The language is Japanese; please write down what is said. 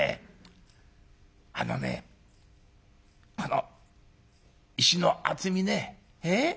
あのねこの石の厚みね。